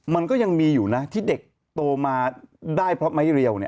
มันก็ยังมีอยู่นะที่เด็กโตมาได้เพราะไม้เรียว